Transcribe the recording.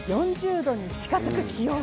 ４０度に近づく気温。